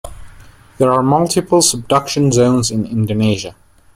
There are multiple subduction zones in Indonesia.